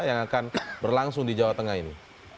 yang akan berlangsung di jawa tengah ini